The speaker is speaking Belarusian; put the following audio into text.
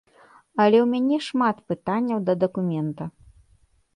Але ў мяне шмат пытанняў да дакумента.